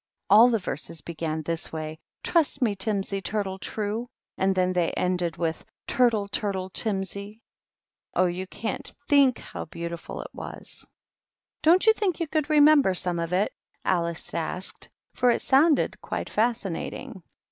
" All the verses began this way :* Trust me, timsy turtle true/ and then they ended with * Turtle, turtle timsy r Oh, you can't think how beautiftil it was !"" Don't you think you could remember some of it ?" Alice asked, for it sounded quite fascinating.